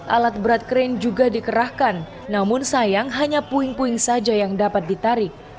alat berat krain juga dikerahkan namun sayang hanya puing puing saja yang dapat ditarik